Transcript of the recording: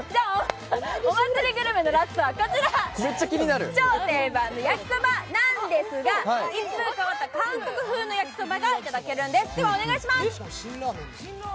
お祭りグルメのラストはこちら、超定番の焼きそばなんですが一風変わった韓国風の焼きそばがいただけるんです。